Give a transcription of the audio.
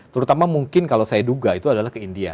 terutama mungkin kalau saya duga itu adalah ke india